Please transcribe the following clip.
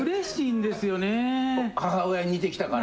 母親に似てきたから。